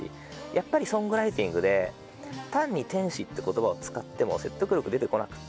やっぱりソングライティングで単に天使って言葉を使っても説得力出てこなくて。